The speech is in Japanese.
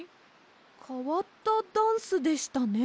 かわったダンスでしたね。